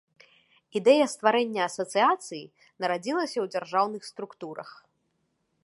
Ідэя стварэння асацыяцыі нарадзілася ў дзяржаўных структурах.